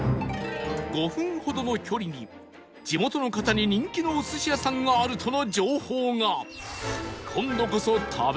５分ほどの距離に地元の方に人気のお寿司屋さんがあるとの情報が